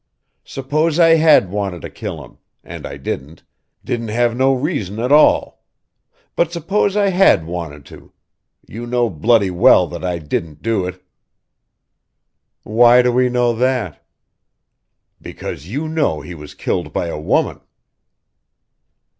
Suppose I had wanted to kill him and I didn't didn't have no reason at all. But suppose I had wanted too you know bloody well that I didn't do it." "Why do we know that?" "Because you know he was killed by a woman!"